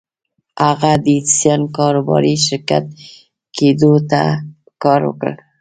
هغه د ايډېسن کاروباري شريک کېدو ته کار وکړ.